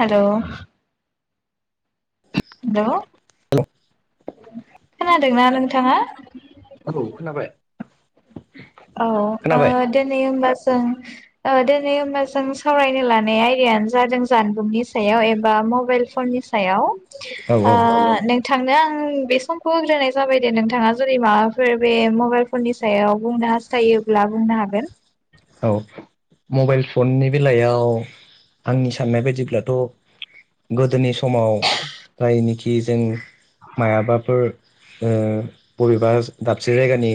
हेल' hello खोनादोंना नोंथाङा औ खोनाबाय औ आ खोनाबाय दोनि ओमबा जों दिनै होमबा जों सावरायनो लानाय आयदायानो जादों जानबुंनि सायाव एबा मबाइल फननि सायाव औ औ थांनो आं बे समखौ होग्रोनाय जाबाय दे नोंथाङा जुदि माबाफोर बे मबाइल फननि सायाव बुंनो हासा फिथायोब्ला बुंनो हागोन औ मबाइल फननि बेलायाव आंनि साननाय बायदिब्लाथ' गोदोनि समाव जायनिखि जों मायाबाफोर ओ बबेबा दाबसे जायगानि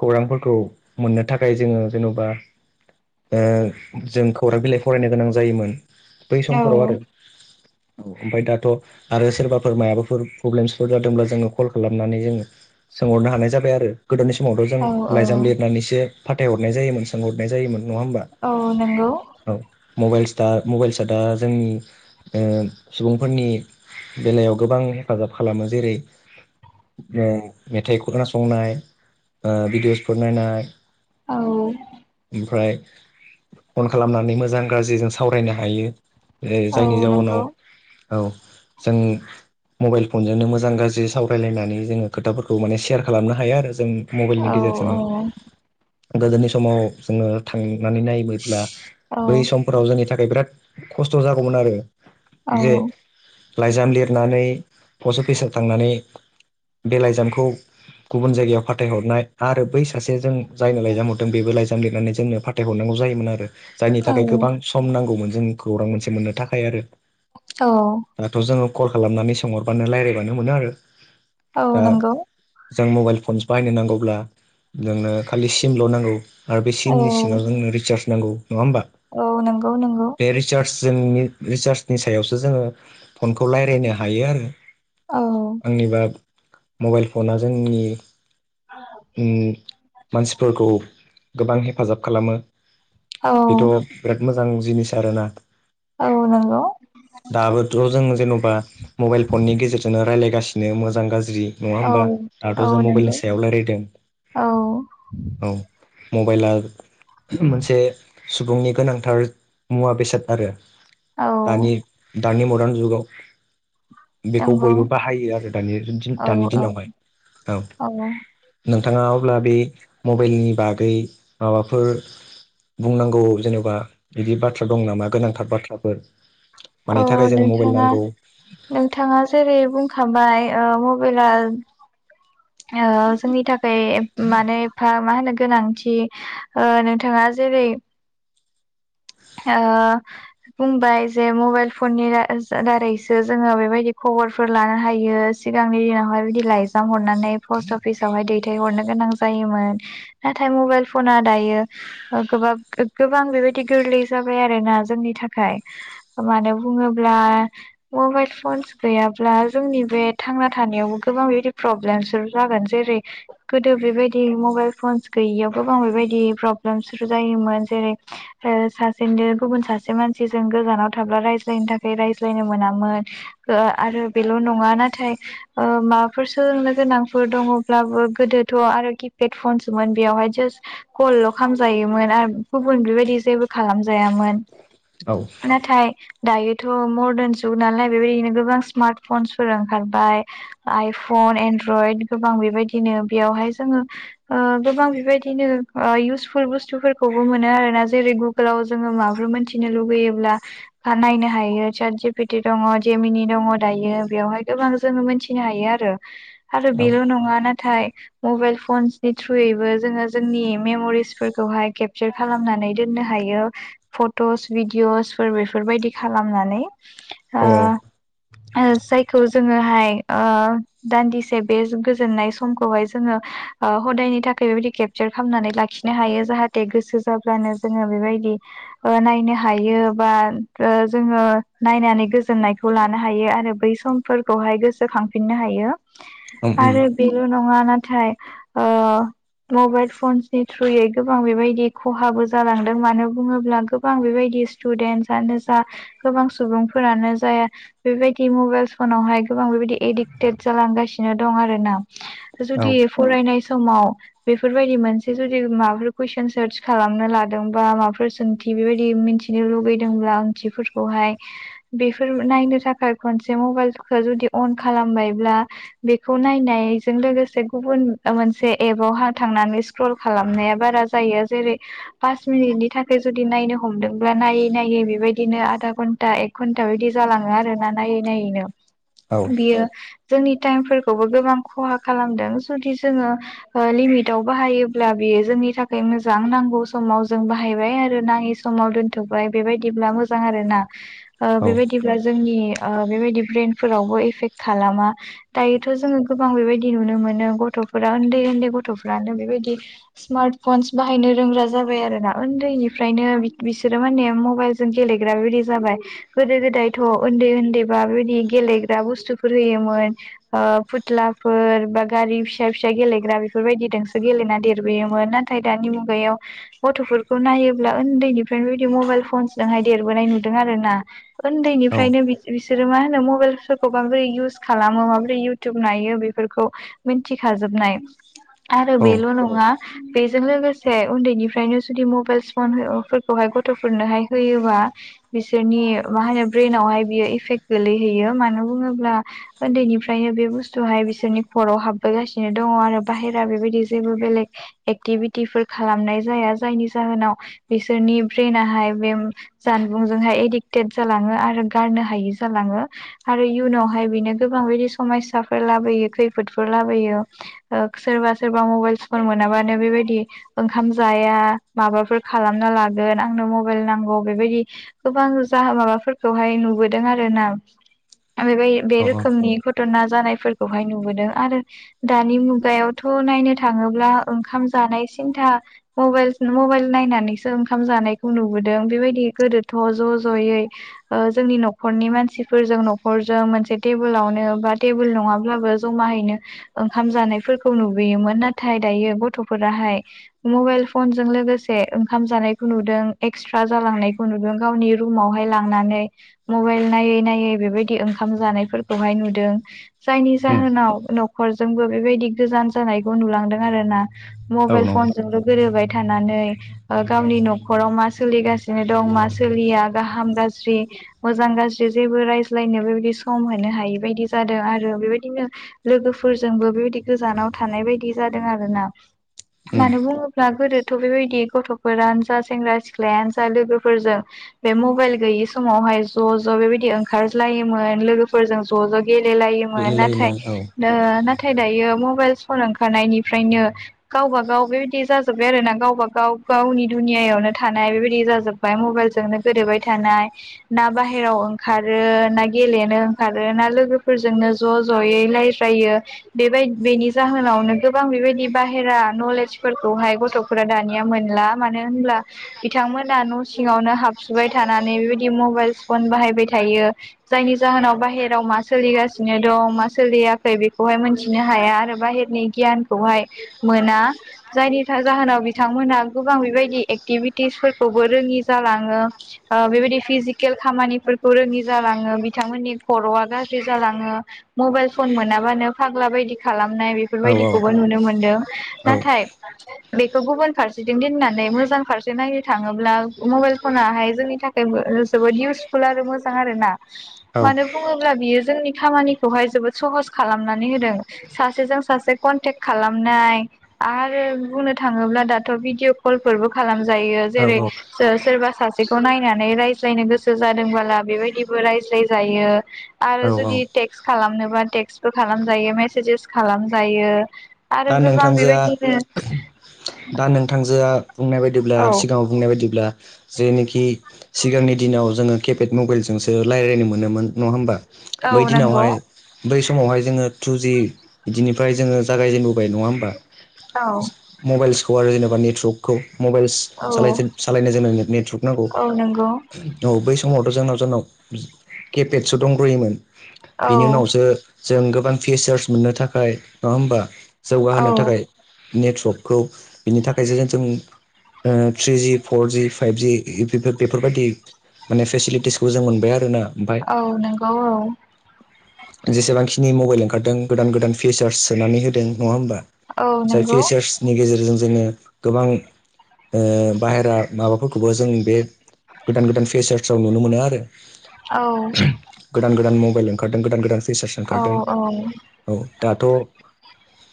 खौरांफोरखौ मोननो थाखाय जोङो जेन'बा जों खौरां बिलाइ फरायनो गोनां जायोमोन बै औ समफोराव आरो ओमफ्राय दाथ' आरो सोरबाफोर मायाबाफोर प्रब्लेमसफोर जादोंब्ला जोङो कल खालामनानै जोङो सोंहरनो हानाय जाबाय आरो गोदोनि समावथ' जों औ लाइजाम लिरनानैसो फाथायहरनाय जायोमोन सोंहरनाय जायोमोन नङा होमबा औ नोंगौ औ मबाइल स मबाइल सार्टआ जोंनि सुबुंफोरनि बेलायाव गोबां हेफाजाब खालामो जेरै मेथाइ खोनासंनाय ओ भिडिअ'सफोर नायनाय औ ओमफ्राय अन खालामनानै मोजां गाज्रिजों सावरायनो हायो औ जायनि जाउनाव नंगौ औ जों मबाइल फनजोंनो मोजां गाज्रि सावरायलायनानै जोङो खोथाफोरखौ माने सेयार खालामनो हायो आरो जों जों औ मबाइलनि औ गेजेरजोंनो गोदोनि समाव जोङो थां नानै नायोब्ला औ बै समफोराव जोंनि थाखाय बिराद खस्थ' जागौमोन आरो औ जे लाइजाम लिरनानै पस्ट अफिसाव थांनानै बे लाइजामखौ गुबुन जायगायाव फाथायहरनाय आरो आरो बै सासे जों जायनो लाइजाम हरदों बेबो लाइजाम लिरनानै जोंनो फाथायहरनांगौ जायोमोन आरो जायनि औ थाखाय गोबां सम नांगौमोन जों खौरां मोनसे मोननो थाखाय आरो औ दाथ' जोङो कल खालामनानै सोंहरबानो रायज्लायबानो मोनो आरो औ दा नंगौ जों मबाइल फनस बाहायनो नांगौब्ला नोंनो खालि सिमल' नांगौ आरो बे सिमनि औ सिङाव जोंनो रिसार्ज नांगौ नङा होमबा औ नंगौ नंगौ बे रिसार्ज जोंनि रिसार्जनि सायावसो जोङो फनखौ रायलायनो हायो आरो औ आंनिबा मबाइल फना जोंनि उम मानसिफोरखौ गोबां हेफाजाब खालामो औ बेथ' बिराद मोजां जिनिस आरोना औ नंगौ दाबोथ' जों जेन'बा मबाइल फननि गेजेरजोंनो रायज्लायगासि मोजां गाज्रि ज्रि नङा औ होमबा औ दाथ' जों नंगौ मबाइलनि सायाव रायलायदों औ औ मबाइला मोनसे सुबुंनि गोनांथार मुवा बेसाद आरो औ दानि दानि मदार्न जुगाव बेखौ नंगौ बयबो बाहायो आरो दानि औ दानि औ दिनावहाय औ नोंथाङा अब्ला बे मबाइलनि बागै माबाफोर बुंनांगौ जेनबा बिदि बाथ्रा दं नामा गोनांथार बाथ्राफोर अ मानि थाखाय जोंनो मबाइल नोंथाङा नांगौ नोंथाङा जेरै बुं हाबाय ओ मबिला ओ जोंनि थाखाय मानो एफा मा होनो गोनांथि ओ नोंथाङा दा जेरै ओ बुंबाय जे मबाइल फननि दा-दारैसो जोङो बेबायदि ख बरफोर लानो हायो सिगांनि दिनावहाय बिदि लाइगजाम हरनानै पस्ट अफिसावहाय दैथायहरनो गोनां जायोमोन नाथाय माबेल फना दायो ओ गोबब गोबां बेबायदि गोरलै जाबाय आरोना जोंनि थाखाय मानो बुङोब्ला मबाइल फन गैया ब्ला जोंनि बे थांना थानायावबो गोबां बेबायादि प्रब्लेम सो जागोन जेरै गोदो बेबाय दि मबेल फन गोयैआव गोबां बेबायदि प्रब्लेमफोर जायोमोन जेरै सासे फिननो गुबुन सासे मानसि जों गोजानाव थाब्ला रायज्लायनो थाखाय रायज्लायनो मोनामोन गो आरो आरो बेल' नङा नाथाय ओ माबाफोर सोलोंनो गोनांफोर दङब्लाबो गोदोथ' आरो किपेट फनसोम बेयावहाय जास कल' खामजायोमोन आरो गुबुन बेबायदि जेबो खालामजायामोन औ नाथाय दायोथ' मर्दान जुग नालाय बेबायदिनो गोबां स्मार्ट फनस फोरा ओंखारबाय आइफन फन एनरयद गोबां बेबायादिनो बेयावहाय जोड़ो ओ गोबां बेबायदिनो ओ इस बुुसतुफोरखौबो मोनो आरो ना जेरै गु गोलाव जोङो माबाफोर मोनथिनो लुुबैयोब्ला नायनो हायो सात जिपिटि दङ जेमिनि दं। दङ दायो बेयावहाय गोबां जों मोनथिनो हायो आरो आरो औ बेल' नङा ना थाय मबाइल फनसनि थ्रुयैबो जोङो जोंनि मेम'रिसफोरखौहाय केपचार खालामनानै दोननो हा यो फट'स भिदिअसफोर बेफोरबायदि खालामनानै ओ औ ओ जायखौ जोङोहाय ओ दान्दिसे बे गोजोननाय समखौहाय जोङो ओ हदायनि थाखाय बेबायदि केपचार खालामनानै लाखिनो हायो जाहाथे गोसो जाब्लानो जोङो बेबायदि ओ नायनो हायो बा ओ जोङो नायनानै गोजोननाय खौ लानो हायो आरो बै समफोरखौहाय गोसोखांफिननो हायो। उम उम आरो बिल' नङा ना थाइ ओ मबाइल फनसनि थ्रुयै गोबां बेबायदि खहाबो जा जालांदों मानो बुङोब्ला गोबां बेबायदि स्टुदेन्सनो जा गोबां सुबुंफोरानो जा या बेबायदि मबाइलस फनावहाय गोबां बेबायदि एडिक्टेड जालांगासिनो दं आरो ना औ जुदि फरायनाय समाव बेफोरबायदि मोनसे जुदि माबाफोर कुइसन सार्च खालामनो ला दोंबा माबाफोर सोंथि बेबादि मिथिनो लुगैदोंबा सोंथि फोरखौहाय नायनो थाखाय खनसे मबाइलखौ जुदि अन खालामबायब्ला बेखौ नायनायजों लोगोसे से गुबुन मोनसे एपाव थांनानै स्क्रल खालामनाया बारा जायो जेरै पास मिनिटनि थाखाय जुदि नायनो हमदोंब्ला नायै नायै बेबायदिनो आधा घन्टा एक घन्टा बिदि जा लाङो आरोना नायै नायैनो औ बियो जोंनि टाइमफोरखौबो गोबां खहा खालामदों जुदि जोङो ओ लिमिटाव बाहायोब्ला बेयो जोंनि थाखाय मोजां नांगौ समाव जों बाहाय आरो नाङि समाव दोनथ'बाय बेबायदिब्ला मोजां आरोना ओ औ बेबायदि दिब्ला जोंनि ओ बेबायदि ब्रइ फोरावबो एफेख खालामा दायोथ' जोङो गोबां बेबायदि नुनो मोनो गथफोरा उन्दै उन्दै गथनो बेबायदि समार्ट फनस बाहायनो रोंग्रा जाजोब बाय आरो ना ओनन्दैनिफ्रायनो बिसोरो माने मबाइ जों गेलेग्रा बेदि जाबाय गोदो गोदाय थ' उन्दै उन्दैबा बेबायदि गेलेग्रा बुस्थुफोर होयोमोन ओ फुथलाफोर बा गारि फिसा फिसा गेलेग्रा बेफोरबायदिदोंसो गेलेना देरबोयोमोन नाथाय दानि मुगायाव गथ'फोरखौ नायोब्ला उन्दैनिफ्रायनो बेबायदि मबाइल फनजोंहाय देरबोनाय नुदों आरो ना उन्दैनि औ निफ्रायनो बिसोरो मा होनो मबाइलफोरखौ माबोरै इउस खालामो माबोरै इउटुब नायो बेफोरखौ मिथिखाजोबनाय आरो बेल' नङा बेजों लोगोसे उन्दैनि ओमफ्रायो जुदि मबाइस फन फोरफोरखौहाय गथ'फोरनोहाय होयोबा बिसोरनि मा होनो ब्रेनावहाय बियो इफेक्ट गोगलैहैयो मानो बुङोब्ला उन्दैनिफ्रायनो बे बुस्थुवहाय बिसोरनि हराव हाबबोगासिनो दङ आरो बाहेरा बेबायदि जेबो बेलेग एकटिभिटिफोर खालामनाय जायनि जाहोनाव बिसोरनि ब्रेनाहाय बे जानबुंजोंहाय एडिक्टेद जालाङो गारनो हाय जालाङो आरो इयुनावहाय बेनो गोबां बिदि समायसाफोर लाबोयो [unintelligible] जाया माबाफोर खालामना लागोन आंनो मबाइल नांगौ बेबायदि गोबां जा माबा फोरखौहाय नुबोदों आरो ना बेबाय औ बे रोखोमनि घटना जानायफोरखौहाय नुबोदों आरो दानि मुगायावथ' नायनो थाङोब्ला ओंखाम जानाय सिन्था मबाइल मबाइल नायनानैसो ओंखाम जानायखौ नुबोदों बेबायदि गोदोथ' ज' ज'यै ओ जोंनि न'खरनि मानसिफोरजों न'खरजों मोनसे टेबोलावनो बा टेबोल नङाब्लाबो ज माहैनो ओंखाम जानायफोरखौ नुबोयोमोन नाथाय दायो गथ'फोराहाय मबाइल फनजों लोगोसे ओंखाम जानायखौ नुदों एक्सट्रा जालांनायखौ नुदों गावनि रुमावहाय लांनानै मबाइल नायै नायै बेबायदि ओंखाम जानायफोरखौहाय नुदों जायनि उम जाहोनाव न'खरजोंबो बेबायदि गोजान जानायखौ नुलांदों आरोना औ मबाइल नंगौ फनल' गोरोबाय थानानै गावनि न'खराव मा सोलिगासिनो दं मा सोलिया गाहाम गाज्रि मोजां गाज्रि जेबो रायज्लायनो बेबायदि सम होनो हायि बायदि जादों आरो बेबायदिनो लोगोफोरजोंबो बेबायदि गोजानाव थानाय बायदि जादों आरोना उम मानो बुङोब्ला गोदो थ' बेबायदि गथ'फोरानो जा सेंग्रा सिख्लायानो जा लोगोफोरजों बे मबाइल गैयि समावहाय ज' ज' बेबायदि ओंखारज्लायोमोन लोगोफोरजों ज' ज' गेलेलायोमोन बिदि नाथाय लायोमोन औ नाथाय नाथाय दायो मबाइल सन ओंखारनायनिफ्रायनो गावबा गाव बेबायदि जाजोब्बाय आरो नांगा गावबा गाव गावनि दुनियायावनो थानाय बेबायदि जाजोबबाय मबाइलजोंनो गोदोबाय थानाय ना ना बाहेरायाव ओंखारो ना गेलेनो ओंखारो ना लोगोफोरजोंनो ज' ज'यै रायज्रायै यो बेबाय बेनि जाहोनावनो गोबां बेबायदि बाहेरा नलेजफोरखौहाय गथ' फोरा दानिया मोनला मानो होनब्ला बिथांमोना न' सिङावनो हाबसुबाय थानानै बेबायदि म मबाइल फन बाहायबाय थायो जायनि जाहोनाव बाहेरायाव मा सोलिगासिनो दं मा सोलियाखै मोनथिनो हाया आरो बाहेरनि गियानखौहाय मोना जायनि थाखाय जाहोनाव बिथांमोनहा गोबां बेबायदि एक्टिभिटिसफोरखौबो रोङि जालाङो बेबायदि फिजिकेल खामानि रोङि जालाङो बिथांमोननि खर'आ गाज्रि जालाङो मबाइल फ मोनाबानो फाग्ला बायदि खालामनाय औ बेफोरबायदिखौबो नुनो मोनदों औ नाथाय बेखौ गुबुन फारसेथिं दोननानै मोजां फारसे नायनो थाङोब्ला मबाइल फनाहाय जोंनि थाखायबो [unintelligible] खहस खालामनानै होदों सासेजों सासे कनटेक् खालामनाय आरो बुंनो थाङोब्ला दाथ' भिदिअ कलफोरबो खालाम जायो जेरै‌ औ सोरबा सासेखौ नायनानै रायज्लायनो गोसो जादोंबोला बेबायदिबो रायज्लाय जायो आरो औ जुदि औ बि टेक्स्ट खालामनोबा टेक्स्ट बो खालामजायो मेसेजेस खालामजायो आरो दा गोबां नोंथांजोआ बेबायदिनो दा नोंथांजोआ बुंनाय बायदिब्ला औ सिगाङाव बुंनाय बायदिब्ला जेनोखि सिगांनि दिनाव जोङो केपेड मबाइलजोंसो रायलायनो मोनोमोन नङा होमबा औ बै नंगौ दिनावहाय बै समावहाय जोङो टु जि बिदिनिफ्राय जोङो जागायजेननो होबाय नङा होमबा औ मबाइल्सखौ आरो जेनेबा नेटवर्कखौ मबाइलस औ सालायजेन सालायनो जोंनो नेट नेटवर्क नांगौ औ नंगौ औ बै समावथ' जोंनाव जोंनाव केपेटसो दंग्रोयोमोन औ बिनि उनावसो जों गोबां फिचार्स मोननो थाखाय नङा होमबा औ जौगाहोनो थाखाय नेटवर्कखौ बिनि थाखायसो जोनथोम ओ थ्रिजि फरजि फाइभजि इ बेफोर बेफोरबायदि माने फेसिलिटिसखौ जों मोनबाय आरो ना औ नंगौ औ नि मबाइल ओंखारदों गोदान गोदान फिसार्स सोनानै होदों नङा होमबा औ जाय नंगौ फिसार्सनि गेजेरजों जोङो गोबां ओ बाहेरा माबाफोरखौबो जों बे गोदान गोदान फिचार्साव नुनो मोनो आरो औ खृम गोदान गोदान मबाइल ओंखारदों गोदान गोदान फिचार्स ओंखारदों औ औ दाथ'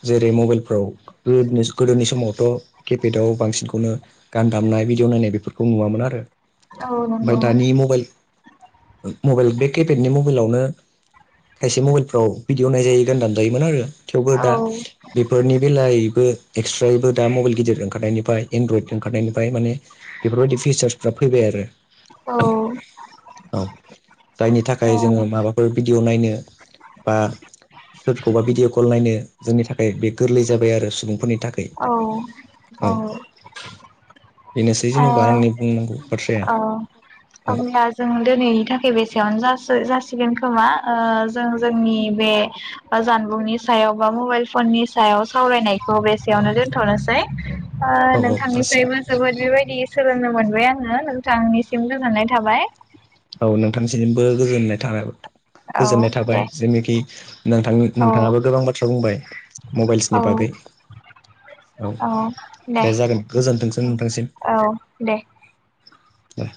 जेरै मबाइलफ्राव गोद निस गोदोनि समाव ट' केपेदआव बांसिनखौनो गान दामनाय भिडिअ नायनाय बेफोरखौ नुवामोन आरो औ ओफाय नंगौ दानि मबाइल मबाइल बे केपेटनि मबाइलावनो खायसे मबाइलफ्राव भिडिअ नायजायो गान दामजायोमोन आरो थेवबो औ औ दा बेफोरनि बेलायैबो एक्सट्रायबो दा मबाइल गिदिर ओंखारनायनिफ्राय एनड्रयड ओंखारनायनिफ्राय माने बेफोरबायदि फिचार्सफ्रा फैबाय आरो औ औ दायनि थाखाय जोङो माबाफोर भिडिय' नायनो बा सोरखौबा भिडिअ कल नायनो जोंनि थाखाय बे गोरलै जाबाय आरो सुबुंफोरनि थाखाय औ औ बेनोसै औ जेन'बा आंनि बुंनांगौ बाथ्राया अ औ अबनिया जों दिनैनि थाखाय बे सेयावनो जासो जासिगोन खोमा ओ जों जोंनि बे जानबुंनि सायाव बा मबाइल फननि सायाव सावरायनायखौ बेसेयावनो दोनथ'नोसै ओ औ औ जासिगोन नोंथांनिफ्रायबो जोबोद बेबायदि सोलोंनो मोन- बाय आङो नोंथांनिसिम गोजोननाय थाबाय औ नोंथांनिसिमबो गोजोननाय था औ गोजोननाय थाबाय दे जेनिखि नोंथांनि औ नोंथाङाबो गोबां बाथ्रा बुंबाय मबाइल्सनि औ बागै बे औ दे जागोन गोजोनथोंसै नोंथांसिम औ दे दे